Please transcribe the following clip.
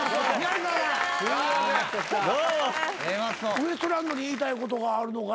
ウエストランドに言いたいことがあるのかやな。